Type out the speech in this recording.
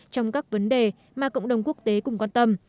trong các vấn đề mà cộng đồng quốc tế cùng quan tâm